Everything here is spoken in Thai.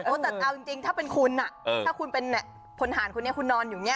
แต่เอาจริงถ้าเป็นคุณถ้าคุณเป็นผลหารคุณเนี่ยคุณนอนอยู่เนี่ย